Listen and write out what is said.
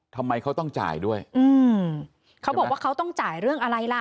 ทำไมเขาต้องจ่ายด้วยอืมเขาบอกว่าเขาต้องจ่ายเรื่องอะไรล่ะ